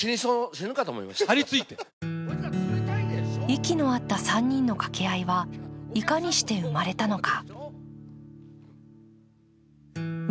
息の合った３人の掛け合いは、いかにして生まれたのか。